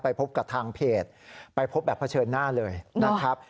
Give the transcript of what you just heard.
พบกับทางเพจไปพบแบบเผชิญหน้าเลยนะครับ